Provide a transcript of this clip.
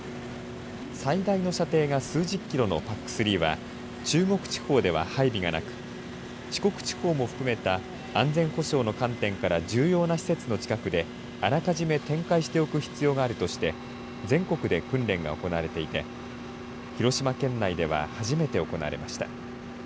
最大の射程が数十キロのＰＡＣ３は中国地方では配備がなく四国地方も含めた安全保障の観点から重要な施設の近くであらかじめ展開していく必要があるとして全国で訓練が行われていて広島県内では初めて行われました。